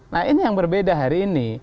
nah ini yang berbeda hari ini